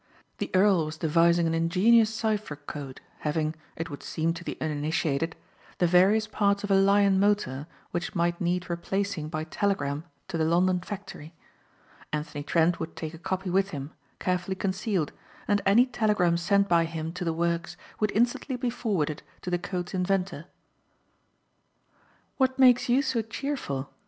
The earl was devising an ingenious cipher code having, it would seem to the uninitiated, the various parts of a Lion motor which might need replacing by telegram to the London factory. Anthony Trent would take a copy with him, carefully concealed, and any telegram sent by him to the works would instantly be forwarded to the code's inventor. "What makes you so cheerful?"